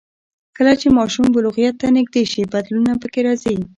کله چې ماشوم بلوغیت ته نږدې شي، بدلونونه پکې راځي.